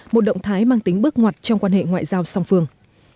một bước ngoặt trong quan hệ ngoại giao song phương